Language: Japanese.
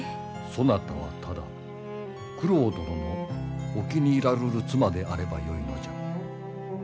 そなたはただ九郎殿のお気に入らるる妻であればよいのじゃ。